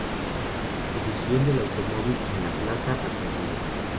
Exposición del automóvil en La Plata, Argentina